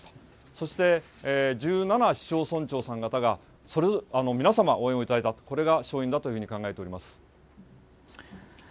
そして、１７市町村長さん方が皆様、応援をいただいたと、これが勝因だというふうに考えております。